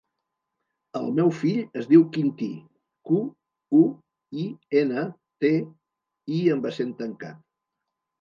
El meu fill es diu Quintí: cu, u, i, ena, te, i amb accent tancat.